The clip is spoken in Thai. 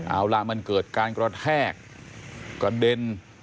เอาล่ะมันเกิดการกระแทกกระเด็น